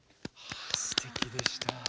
ああすてきでした。